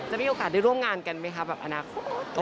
มีโอกาสได้ร่วมงานกันไหมคะแบบอนาคต